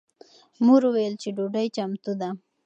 مور وویل چې ډوډۍ چمتو ده.